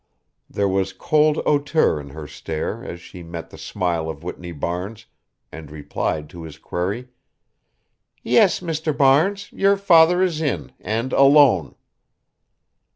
There was cold hauteur in her stare as she met the smile of Whitney Barnes and replied to his query: "Yes, Mr. Barnes, your father is in and alone."